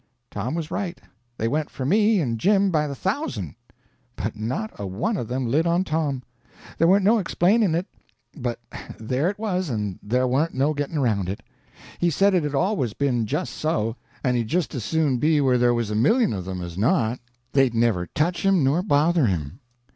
Tom was right. They went for me and Jim by the thousand, but not a one of them lit on Tom. There warn't no explaining it, but there it was and there warn't no getting around it. He said it had always been just so, and he'd just as soon be where there was a million of them as not; they'd never touch him nor bother him.